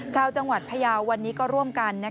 ชาวจังหวัดพยาววันนี้ก็ร่วมกัน